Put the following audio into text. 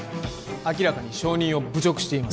明らかに証人を侮辱しています